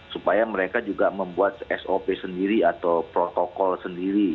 supaya mereka juga membuat sop sendiri atau protokol sendiri